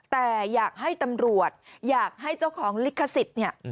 แต่อยากให้ตำรวจอยากให้เจ้าของลิขสิทธิ์เนี่ย